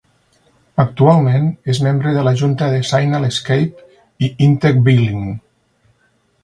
Actualment, és membre de la junta de Signalscape i Intec Billing.